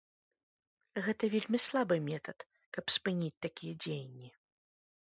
Гэта вельмі слабы метад, каб спыніць такія дзеянні.